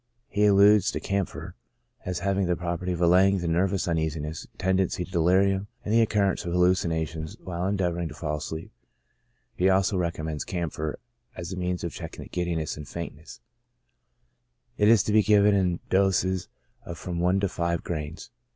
He alludes to camphor as having the property of allaying the nervous uneasiness, tendency to delirium, and the occurrence of hallucinations while endeavoring to fall asleep ; he also recommends camphor as a means of checking the giddiness and faintness ; it is to be given in doses of from one to five grains.